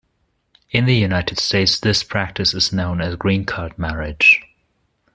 In the United States, this practice is known as a green card marriage.